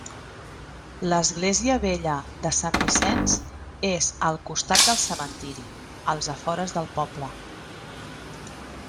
L'església vella de Sant Vicenç és al costat del cementiri, als afores del poble.